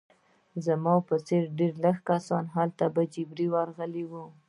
زما په څېر ډېر لږ کسان هلته په جبر راغلي وو